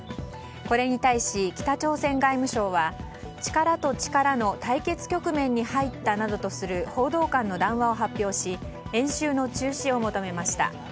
これに対し、北朝鮮外務省は力と力の対決局面に入ったなどとする報道官の談話を発表し演習の中止を求めました。